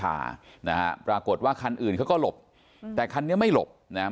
พานะฮะปรากฏว่าคันอื่นเขาก็หลบอืมแต่คันนี้ไม่หลบนะฮะ